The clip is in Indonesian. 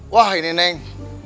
wah ini neng